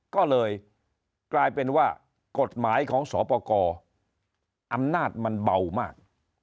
ก็เลยกลายเป็นว่ากฎหมายของสอปกรอำนาจมันเบามาก